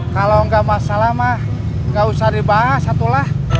kalau enggak masalah mah gak usah dibahas satulah